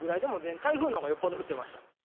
台風のほうがよっぽど降ってました。